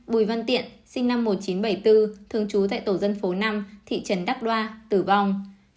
bùi văn tiện sinh năm một nghìn chín trăm bảy mươi bốn thường trú tại tổ dân phố năm thị trấn đắc đoa tử vong